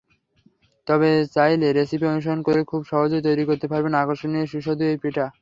তবে চাইলে রেসিপি অনুসরণ করেখুব সহজেই তৈরি করতে পারবেন আকর্ষণীয় ও সুস্বাদু এই পিঠা।